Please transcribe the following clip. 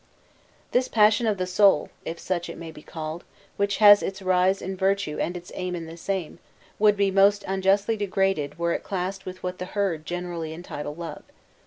This passion of the soul (if such it may be called), which has its rise in virtue and its aim the same, would be most unjustly degraded were it classed with what the herd generally entitle love.